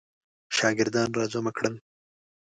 شاګردان را جمع کړل.